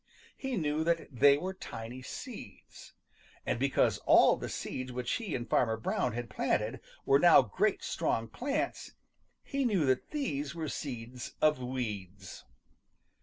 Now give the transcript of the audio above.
He knew that they were tiny seeds. And because all the seeds which he and Farmer Brown had planted were now great strong plants, he knew that these were seeds of weeds.